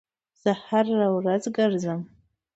زه هره ورځ ګرځم